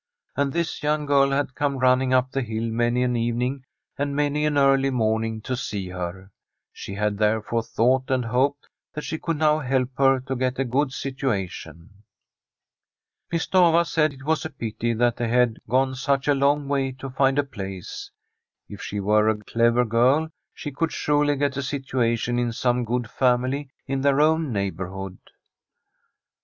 And this young girl had come running up the hill many an evening and many an early morning to see her. She had therefore thought and hoped that she could now help her to get a good situation. Miss Stafva said it was a pity that they had gone such a long way to find a place. If she were a clever girl, she could surely get a situation in some good family in their own neighbourhood.